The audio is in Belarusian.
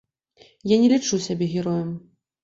Я не лічу сябе героем.